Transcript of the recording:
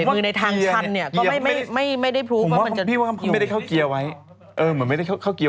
เพราะเวลาเราจอดรถแล้วใส่เบบมือในทางชั้นเนี่ย